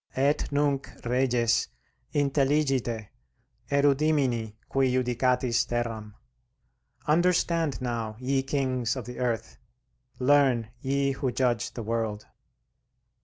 "Et nunc, reges, intelligite; erudimini, qui judicatis terram:" Understand now, ye kings of the earth; learn, ye who judge the world.